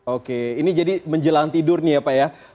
oke ini jadi menjelang tidur nih ya pak ya